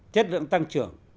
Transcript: chất lượng tăng trưởng